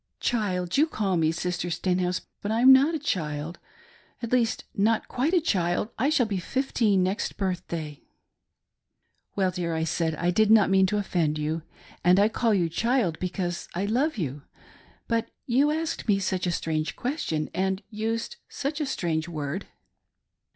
" Child, you call me, Sister Stenhouse, but I'm not a child — at least not quite a child — I shall be fifteen next birthday." " Well dear," I said, " I did not mean to offend you ; and I call you ' child' because I love you ; but you asked' me such a strange question and used such a strange word."